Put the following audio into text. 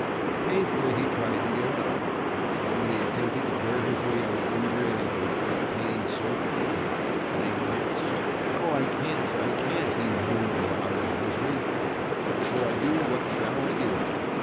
Painfully, he tried to get up, but when he attempted to bear his weight on the injured ankle, it pained so cruelly that he winced. "Oh, I can't, I can't," he moaned aloud in his misery. "What shall I do, what shall I do?"